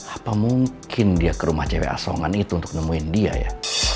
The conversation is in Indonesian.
apa mungkin dia ke rumah cewek asongan itu untuk nemuin dia ya